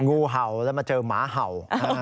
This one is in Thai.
งูเห่าแล้วมาเจอหมาเห่า